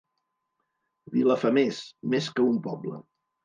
Vilafamés, més que un poble.